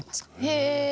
へえ！